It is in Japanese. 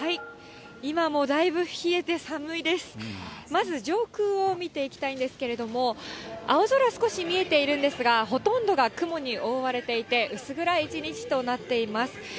まず、上空を見ていきたいんですけれども、青空、少し見えているんですが、ほとんどが雲に覆われていて、薄暗い一日となっています。